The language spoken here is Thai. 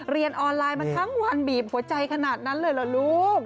เรียนออนไลน์มาทั้งวันบีบหัวใจขนาดนั้นเลยเหรอลูก